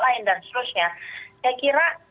lain dan seterusnya saya kira